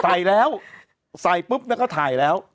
ใส่แล้วใส่ปุ๊บแล้วก็ถ่ายแล้ว